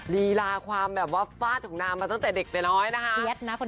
ลีลาความแบบว่าฟาดของนางมาตั้งแต่เด็กแต่น้อยนะคะ